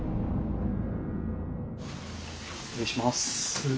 失礼します。